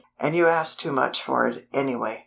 And you ask too much for it, anyway."